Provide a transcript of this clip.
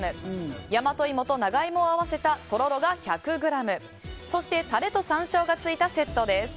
大和イモと長イモを合わせたとろろが１００ｇそしてタレと山椒が付いたセットです。